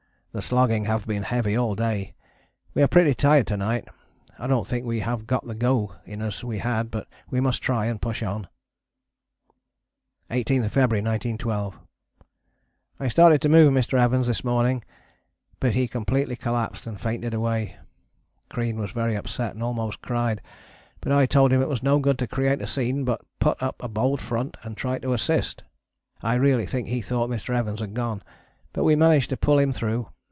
The slogging have been heavy all day. We are pretty tired to night. I dont think we have got the go in us we had, but we must try and push on. 18th February 1912. I started to move Mr. Evans this morning, but he completely collapsed and fainted away. Crean was very upset and almost cried, but I told him it was no good to create a scene but put up a bold front and try to assist. I really think he thought Mr. Evans had gone, but we managed to pull him through.